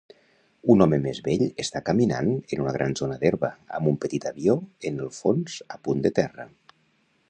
Un home més vell està caminant en una gran zona d'herba amb un petit avió en el fons a punt de terra